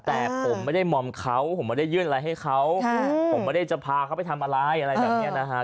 แต่ผมไม่ได้มอมเขาผมไม่ได้ยื่นอะไรให้เขาผมไม่ได้พาเขาไปทำอะไรมังเบลียดเหมือใช่ไหม